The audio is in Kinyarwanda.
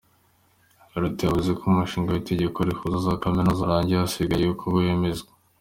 Biruta yavuze ko umushinga w’itegeko rihuza za kaminuza warangiye hasigaye ko wemezwa.